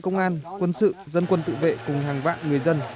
công an quân sự dân quân tự vệ cùng hàng vạn người dân